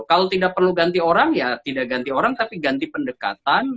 kalau tidak perlu ganti orang ya tidak ganti orang tapi ganti pendekatan